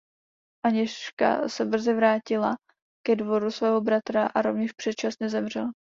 Anežka se brzy vrátila ke dvoru svého bratra a rovněž předčasně zemřela.